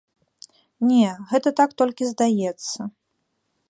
Не, гэта так, толькі здаецца.